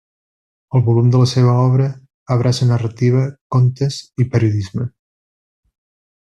El volum de la seva obra abraça narrativa, contes i periodisme.